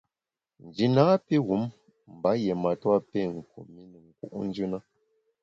Nji napi pé wum mba yié matua pé kum i ne nku’njù na.